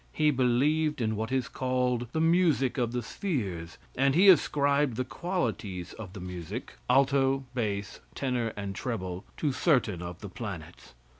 He believed in what is called the music of the spheres, and he ascribed the qualities of the music alto, bass, tenor and treble to certain of the planets.